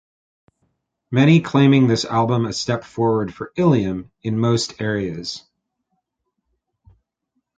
Many claiming this album a step forward for Ilium in most areas.